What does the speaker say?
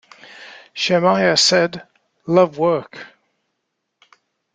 Shemaiah said: Love work.